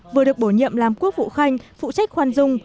vừa được bổ nhiệm làm quốc vụ khanh phụ trách khoan dung